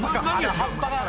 葉っぱか。